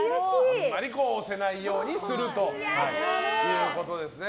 あんまり押せないようにするということですね。